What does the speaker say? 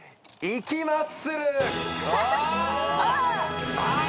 行きます。